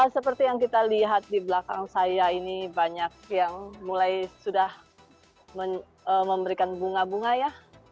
seperti yang kita lihat di belakang saya ini banyak yang mulai sudah memberikan bunga bunga ya